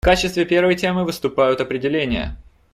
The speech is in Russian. В качестве первой темы выступают определения.